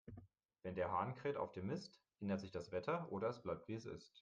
Wenn der Hahn kräht auf dem Mist, ändert sich das Wetter, oder es bleibt, wie es ist.